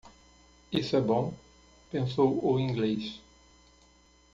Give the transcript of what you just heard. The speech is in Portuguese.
Isso é bom? pensou o inglês.